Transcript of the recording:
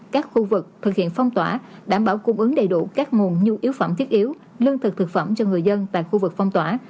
các khu vực thực hiện phong tỏa đảm bảo cung ứng đầy đủ các nguồn nhu yếu phẩm thiết yếu lương thực thực phẩm cho người dân tại khu vực phong tỏa